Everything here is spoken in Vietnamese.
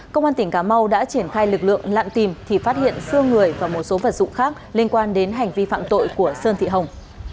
công an tỉnh cà mau đã triển khai lực lượng lạn tìm thì phát hiện sương người và một số vật dụng khác liên quan đến hành vi phạm tội của sơn thị hồng